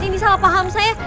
ini salah paham saya